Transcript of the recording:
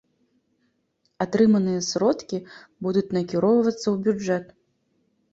Атрыманыя сродкі будуць накіроўвацца ў бюджэт.